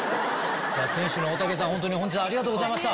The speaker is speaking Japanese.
店主の大竹さん本日はありがとうございました。